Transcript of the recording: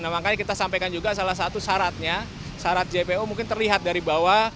nah makanya kita sampaikan juga salah satu syaratnya syarat jpo mungkin terlihat dari bawah